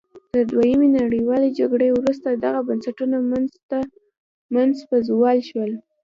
تر دویمې نړیوالې جګړې وروسته دغه بنسټونه مخ په زوال شول.